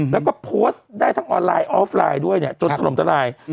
แล้วก็โพสต์ได้ทั้งออนไลน์ออฟไลน์ด้วยเนี่ยจนถล่มทลาย